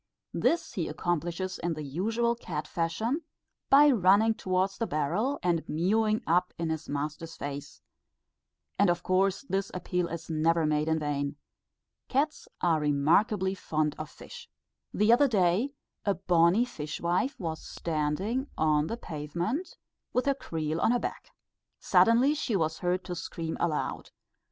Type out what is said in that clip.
This he accomplishes in the usual cat fashion, by running towards the barrel and mewing up in his master's face; and of course this appeal is never made in vain. Cats are remarkably fond of fish. The other day, a bonnie fishwife was standing on the pavement with her creel on her back. Suddenly she was heard to scream aloud.